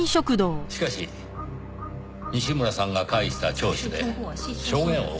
しかし西村さんが介した聴取で証言を変えてしまった。